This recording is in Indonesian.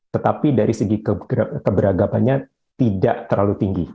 tetapi dari segi keberagamannya tidak terlalu tinggi